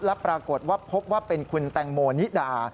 และปรากฏว่าพบว่าเป็นคุณแตงโมนิดา